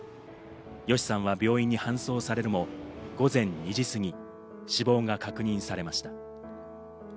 ＹＯＳＨＩさんは病院に搬送されるも、午前２時過ぎ、死亡が確認されました。